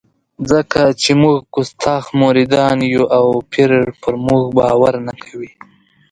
ځکه چې موږ کستاخ مریدان یو او پیر پر موږ باور نه کوي.